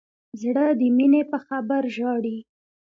زړه د مینې په خبر ژاړي.